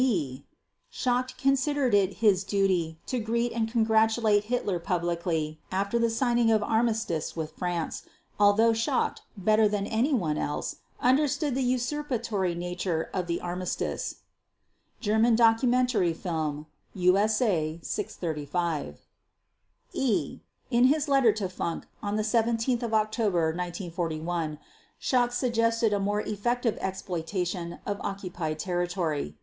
d) Schacht considered it his duty to greet and congratulate Hitler publicly after the signing of armistice with France, although Schacht, better than anyone else, understood the usurpatory nature of the armistice (German Documentary Film, USA 635). e) In his letter to Funk on 17 October 1941, Schacht suggested a more effective exploitation of occupied territory.